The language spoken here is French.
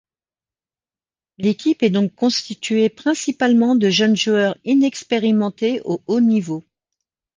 L'équipe est donc constituée principalement de jeunes joueurs inexpérimentés au haut niveau.